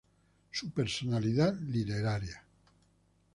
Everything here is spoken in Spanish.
Su personalidad literaria.